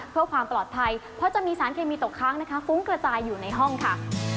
เพื่อความปลอดภัยเพราะจะมีสารเคมีตกค้างนะคะฟุ้งกระจายอยู่ในห้องค่ะ